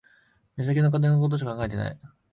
目先の金のことしか考えてない